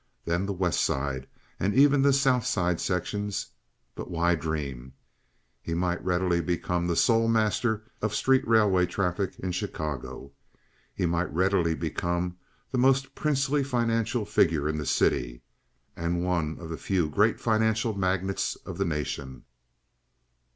Then the West Side, and even the South Side sections—but why dream? He might readily become the sole master of street railway traffic in Chicago! He might readily become the most princely financial figure in the city—and one of the few great financial magnates of the nation.